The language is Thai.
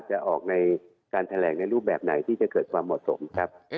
จะออกในการแถลงในรูปแบบไหนที่จะเกิดความเหมาะสมครับ